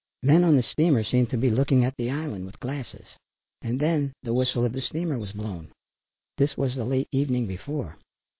Men on the steamer seemed to be looking at the island with glasses, and then the whistle of the steamer was blown. This was in the late evening before.